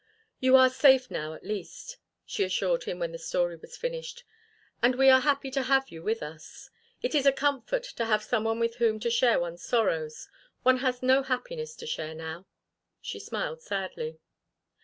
"You are safe now, at least," she assured him when the story was finished. "And we are happy to have you with us. It is a comfort to have someone with whom to share one's sorrows. One has no happiness to share now." She smiled sadly.